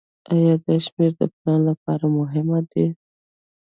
آیا دا شمیرې د پلان لپاره مهمې نه دي؟